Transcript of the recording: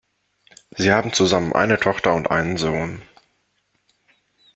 Sie haben zusammen eine Tochter und einen Sohn.